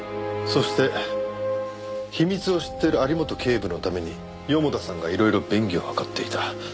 そして秘密を知っている有本警部のために四方田さんがいろいろ便宜を図っていた。